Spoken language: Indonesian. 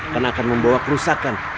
karena akan membawa kerusakan